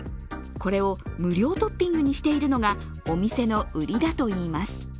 これを無料トッピングにしているのがお店の売りだといいます。